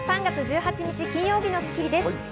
３月１８日、金曜日の『スッキリ』です。